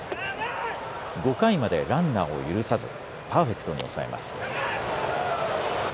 ５回までランナーを許さずパーフェクトに抑えます。